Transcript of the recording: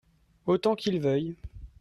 Autant qu'il veuille.